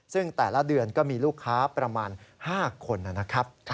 ซึ่งแต่ละเดือนก็มีลูกค้าประมาณ๕คนนะครับ